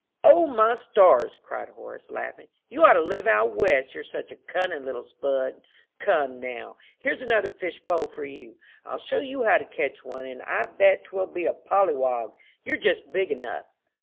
"O, my stars!" cried Horace, laughing, "you ought to live 'out west,' you're such a cunning little spud. Come, now, here's another fish pole for you. I'll show you how to catch one, and I bet 'twill be a pollywog you're just big enough."